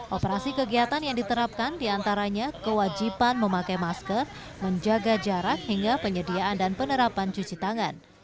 operasi kegiatan yang diterapkan diantaranya kewajiban memakai masker menjaga jarak hingga penyediaan dan penerapan cuci tangan